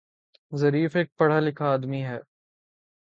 Zarif ایک پڑھا لکھا آدمی ہے